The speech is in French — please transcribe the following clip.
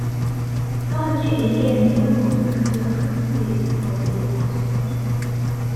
Sorgner est également membre de plusieurs comités éditoriaux et consultatifs.